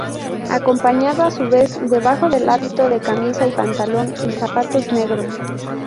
Acompañado a su vez debajo del hábito de camisa y pantalón y zapatos negros.